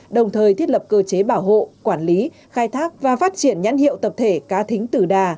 đồng thời thiết lập cơ chế bảo hộ quản lý khai thác và phát triển nhãn hiệu tập thể cá thính tử đà